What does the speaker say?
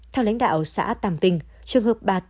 theo lãnh đạo xã tàm vinh trường hợp bà t